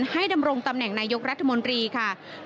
ให้ดำรงตำแหน่งนายหยุทธมดีาที่๓๐